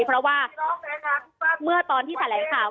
เพราะว่าเมื่อตอนที่แถลงข่าว